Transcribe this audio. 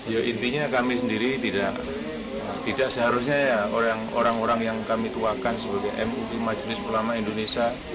ya intinya kami sendiri tidak seharusnya ya orang orang yang kami tuakan sebagai mui majelis ulama indonesia